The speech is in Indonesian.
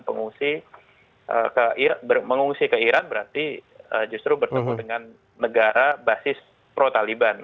pengungsi ke iran berarti justru bertemu dengan negara basis pro taliban